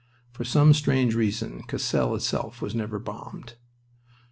For some strange reason Cassel itself was never bombed.